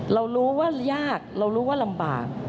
เรารู้ว่ายากเรารู้ว่าลำบาก